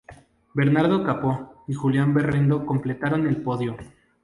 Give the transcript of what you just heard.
Bernardo Capó y Julián Berrendero completaron el podio.